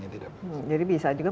tidak jadi bisa juga